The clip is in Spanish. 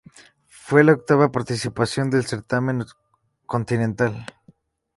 Fue la octava participación en el certamen continental.